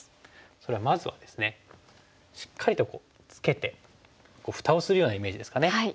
それではまずはですねしっかりとツケて蓋をするようなイメージですかね。